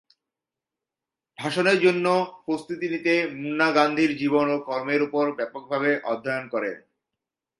ভাষণের জন্য প্রস্তুতি নিতে মুন্না গান্ধীর জীবন ও কর্মের উপর ব্যাপকভাবে অধ্যয়ন করে।